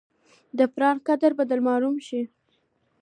د پلار قدر به در معلوم شي !